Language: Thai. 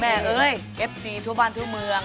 แม่เอ้ยเอฟซีทุกบ้านทุกเมือง